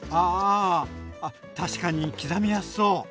あ確かに刻みやすそう！